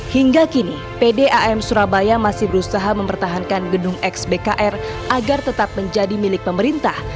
hingga kini pdam surabaya masih berusaha mempertahankan gedung xbkr agar tetap menjadi milik pemerintah